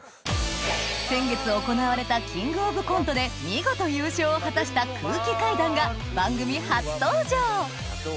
先月行われたキングオブコントで見事優勝を果たした空気階段が番組初登場！